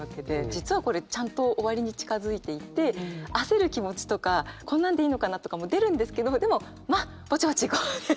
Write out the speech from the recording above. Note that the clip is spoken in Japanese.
実はこれちゃんと終わりに近づいていて焦る気持ちとかこんなんでいいのかなとかも出るんですけどでも「まあぼちぼち行こう」で。